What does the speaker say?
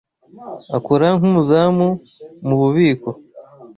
Akora nk'umuzamu mu bubiko